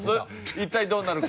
一体どうなるか？